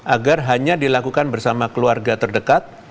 agar hanya dilakukan bersama keluarga terdekat